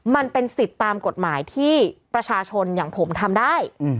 มันเป็นสิทธิ์ตามกฎหมายที่ประชาชนอย่างผมทำได้